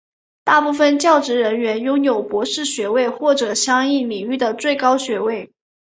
大部分教职人员拥有博士学位或者相应领域的最高学位。